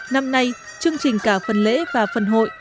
năm nay chương trình cả phần lễ và phần hội